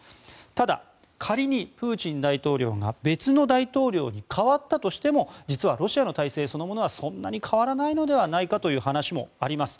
ただ、仮にプーチン大統領が別の大統領に代わったとしても実はロシアの体制そのものはそんなに変わらないのではないかという話もあります。